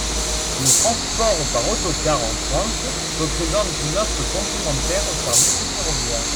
Le transport par autocar en France représente une offre complémentaire aux services ferroviaires.